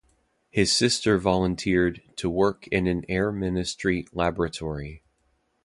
His sister volunteered to work in an air ministry laboratory.